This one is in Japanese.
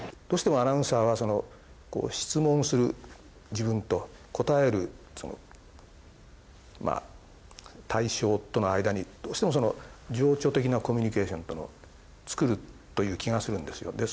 どうしてもアナウンサーは質問する自分と答える対象との間にどうしても情緒的なコミュニケーションってのをつくるという気がするんですよ